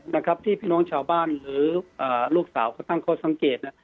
แต่ที่พี่น้องชาวบ้านหรือลูกสาวเขาตั้งเข้าสังเกต